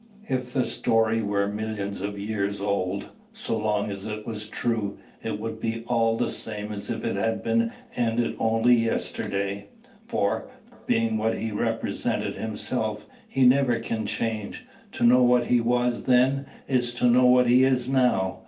If the story were millions of years old, so long as it was true, it would be all the same as if it had been ended only yesterday; for, being what he represented himself, he never can change. To know what he was then, is to know what he is now."